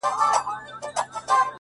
دا نو ژوند سو درد یې پرېږده او یار باسه’